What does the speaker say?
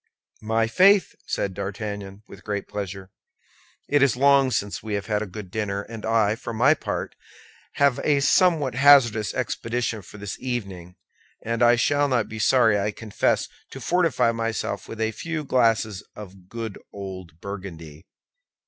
"My faith!" said D'Artagnan, with great pleasure. "It is long since we have had a good dinner; and I, for my part, have a somewhat hazardous expedition for this evening, and shall not be sorry, I confess, to fortify myself with a few glasses of good old Burgundy."